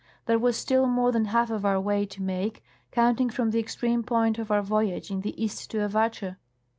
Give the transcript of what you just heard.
There was still more than half of our way to make, counting from the extreme point of our voyage in the East to Avatscha.